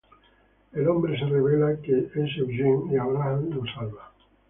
El hombre se revela que es Eugene, y Abraham lo salva.